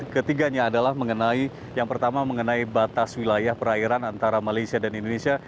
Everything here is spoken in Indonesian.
ketiganya adalah mengenai yang pertama mengenai batas wilayah perairan antara malaysia dan indonesia